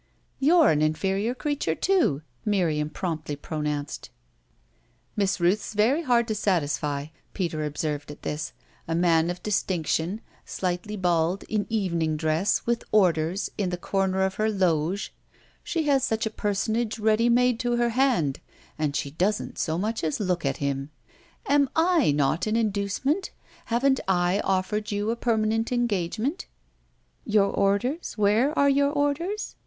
"You're an inferior creature too," Miriam promptly pronounced. "Miss Rooth's very hard to satisfy," Peter observed at this. "A man of distinction, slightly bald, in evening dress, with orders, in the corner of her loge she has such a personage ready made to her hand and she doesn't so much as look at him. Am I not an inducement? Haven't I offered you a permanent engagement?" "Your orders where are your orders?"